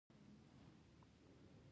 • خندا د روغتیا لپاره ګټوره ده.